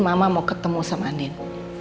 mama mau ketemu sama andin